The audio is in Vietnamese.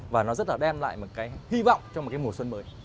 và nó rất là đem lại một cái hy vọng cho một cái mùa xuân mới